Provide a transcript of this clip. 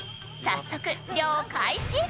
早速、漁開始。